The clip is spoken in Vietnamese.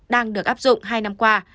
đang được áp dụng hai năm qua